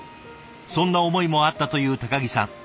そんな思いもあったという木さん。